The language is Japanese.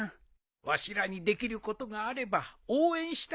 わしらにできることがあれば応援したいのう。